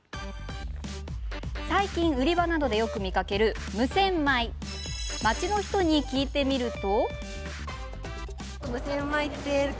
最近、売り場などでよく見かける無洗米について街の人に聞いてみると。